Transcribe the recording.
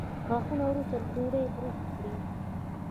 غاښونه وروسته له ډوډۍ برس کړئ